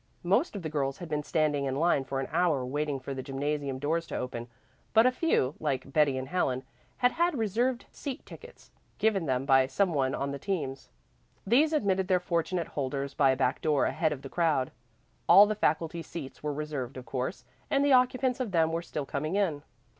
Most of the girls had been standing in line for an hour waiting for the gymnasium doors to open, but a few, like Betty and Helen, had had reserved seat tickets given them by some one on the teams. These admitted their fortunate holders by a back door ahead of the crowd. All the faculty seats were reserved, of course, and the occupants of them were still coming in.